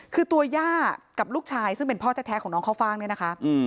คือตัวย่ากับลูกชายซึ่งเป็นพ่อแท้ของน้องข้าวฟ่างเนี่ยนะคะ